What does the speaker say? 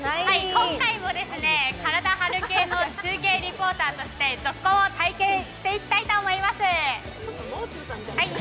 今回も体を張る系のリポーターとしてＺＯＫＫＯＮを体験していきたいと思います。